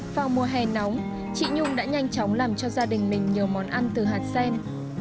vào mùa hè nóng chị nhung đã nhanh chóng làm cho gia đình mình nhiều món ăn từ hạt sen